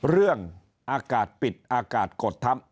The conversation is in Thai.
เรื่องอากาศปิดอากาศกดทับ